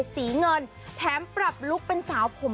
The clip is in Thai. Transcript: สีเงินแถมปรับลุคเป็นสาวผม